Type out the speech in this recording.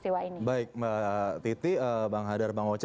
baik mbak titi mbak hadar mbak oce